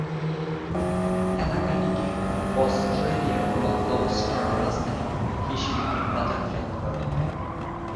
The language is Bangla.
এলাকাটিকে 'অস্ট্রেলিয়ার রক লবস্টার রাজধানী' হিসেবে বাজারজাত করা হয়।